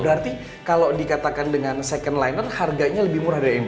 berarti kalau dikatakan dengan second liner harganya lebih murah dari mk